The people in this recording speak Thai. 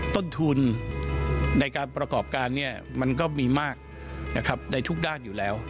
ต้นทุนในการประกอบการมันก็มีมากในทุกด้านอยู่แล้ว